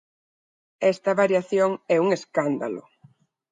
Esta variación é un escándalo.